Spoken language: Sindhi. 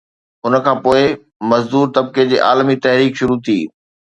ان کان پوءِ مزدور طبقي جي عالمي تحريڪ شروع ٿي